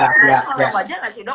kalau enggak aja enggak sih dok